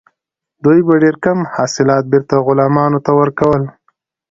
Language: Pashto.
دوی به ډیر کم حاصلات بیرته غلامانو ته ورکول.